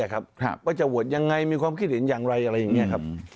ว่าจะโหว็นยังไงมีความคิดเห็นยังไรอย่างเงี้ยครับ